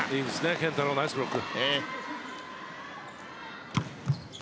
健太郎、ナイスブロック。